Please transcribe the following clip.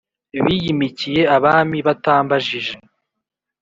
Biyimikiye abami batambajije,